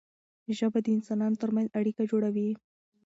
ژبه د انسانانو ترمنځ اړیکه جوړوي.